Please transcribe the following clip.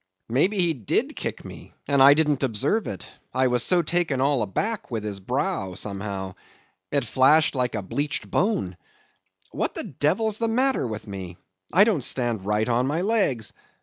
Maybe he did kick me, and I didn't observe it, I was so taken all aback with his brow, somehow. It flashed like a bleached bone. What the devil's the matter with me? I don't stand right on my legs.